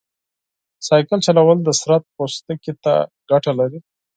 بایسکل چلول د بدن پوستکي ته ګټه لري.